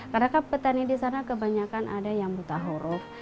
padahal petani di sana kebanyakan ada yang buta huruf